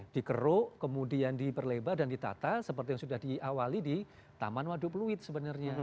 dikeruk kemudian diperlebar dan ditata seperti yang sudah diawali di taman waduk pluit sebenarnya